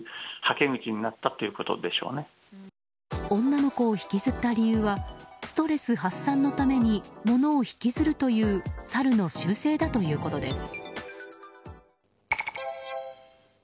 女の子を引きずった理由はストレス発散のために物を引きずるというサルの習性だということです。